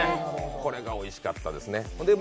これがおいしかったですね。